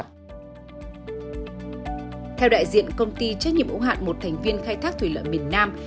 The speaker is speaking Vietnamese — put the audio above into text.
theo đại diện công ty trách nhiệm ủng hạn một thành viên khai thác thủy lợi miền nam